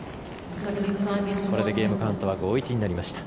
これでゲームカウントは５−１になりました。